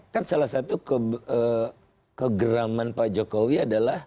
kan salah satu kegeraman pak jokowi adalah